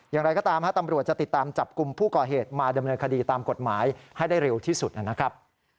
อย่างไรก็ตามตำรวจจะติดตามจับกลุ่มผู้ก่อเหตุมาดำเนินคดีตามกฎหมายให้ได้เร็วที่สุดนะครับ